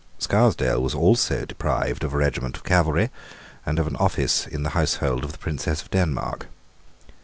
Scarsdale was also deprived of a regiment of cavalry, and of an office in the household of the Princess of Denmark.